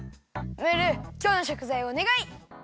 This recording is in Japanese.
ムールきょうのしょくざいをおねがい！